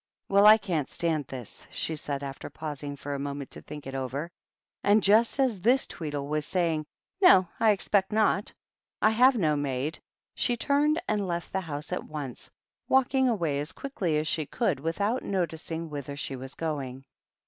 "Well, I can't stand this," she said, after pausing for a moment to think it over ; and just as this Tweedle was saying, "No, I expect not. I have no maid," she turned, and left the house at once, walking away as quickly as she could, without noticing whither she was going.